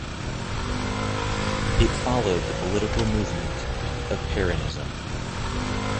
It followed the political movement of Peronism.